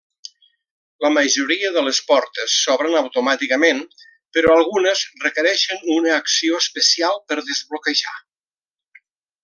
La majoria de les portes s'obren automàticament, però algunes requereixen una acció especial per desbloquejar.